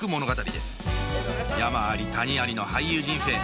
山あり谷ありの俳優人生